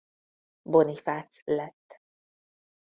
Bonifác lett.